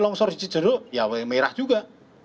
longsor di ciceruk ya merah juga